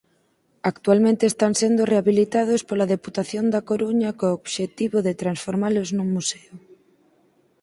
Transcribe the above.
Actualmente están sendo rehabilitados pola Deputación da Coruña co obxectivo de transformalos nun museo.